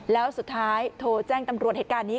แล้วสุดท้ายโทรแจ้งตำรวจเหตุการณ์นี้